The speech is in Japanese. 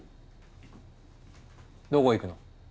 どこ行くの？